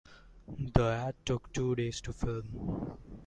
The ad took two days to film.